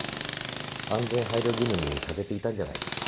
安全配慮義務に欠けていたんじゃないですか？